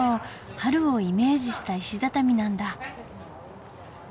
春をイメージした石畳なんだ。